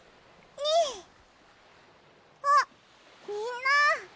あっみんな！